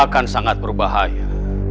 akan sangat berbahaya